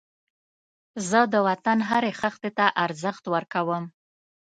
زه د وطن هرې خښتې ته ارزښت ورکوم